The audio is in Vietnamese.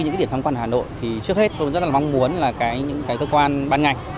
những điểm tham quan hà nội thì trước hết tôi rất là mong muốn là những cái cơ quan ban ngành